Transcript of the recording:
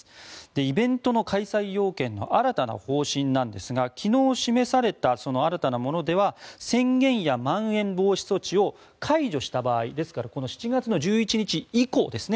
イベントの開催要件の新たな方針なんですが昨日示された新たなものでは宣言やまん延防止措置を解除した場合ですから７月１１日以降ですね。